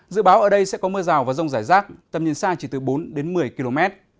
dự báo ở đây sẽ có mưa rào và rông rải rác tầm nhìn xa chỉ từ bốn đến một mươi km